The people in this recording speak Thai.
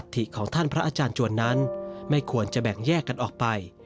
ถิของท่านพระอาจารย์จวนนั้นไม่ควรจะแบ่งแยกกันออกไป